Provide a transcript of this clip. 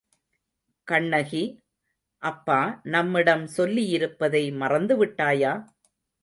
கண்ணகி, அப்பா நம்மிடம் சொல்லியிருப்பதை மறந்து விட்டாயா?